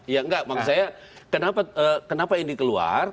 ya enggak maksud saya kenapa ini keluar